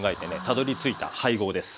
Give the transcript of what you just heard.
たどりついた配合です。